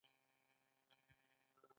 هغه مکتوب چې په اداره کې ترتیبیږي.